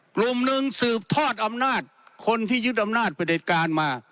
กลุ่มหนึ่งสืบทอดอำนาจคนที่ยึดอำนาจประเด็จการมา